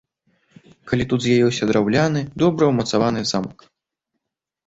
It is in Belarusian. Калі тут з'явіўся драўляны добра ўмацаваны замак.